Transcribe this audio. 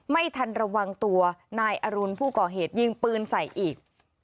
ไม่ทันระวังตัวนายอรุณผู้ก่อเหตุยิงปืนใส่อีก